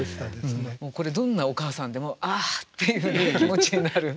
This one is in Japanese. もうこれどんなお母さんでも「あぁ」っていう気持ちになる。